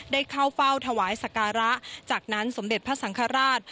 ได้เข้าเฝ้าถวายสการะจากนั้นสมเด็จพระสังฆราช